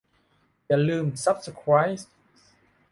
อย่าลืมซับสไครบ์